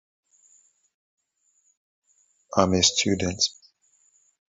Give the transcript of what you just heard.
Him, and his dad are best friends.